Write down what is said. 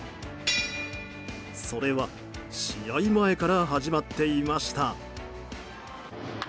それは試合前から始まっていました。